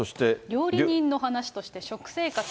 料理人の話として食生活。